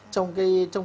trong cái thận